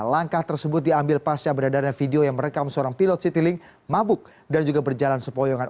langkah tersebut diambil pasca beredarnya video yang merekam seorang pilot citylink mabuk dan juga berjalan sepoyongan